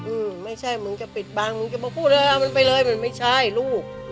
อืมไม่ใช่มึงจะปิดบังมึงจะมาพูดเลยเอามันไปเลยมันไม่ใช่ลูก